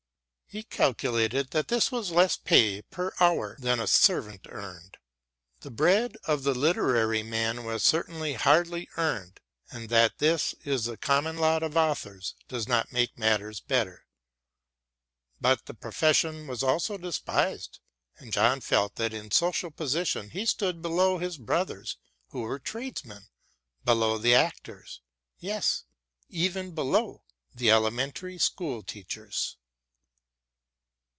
He calculated that this was less pay per hour than a servant earned. The bread of the literary man was certainty hardly earned, and that this is the common lot of authors does not make matters better. But the profession was also despised, and John felt that in social position he stood below his brothers who were tradesmen, below the actors, yes, even below the elementary school teachers.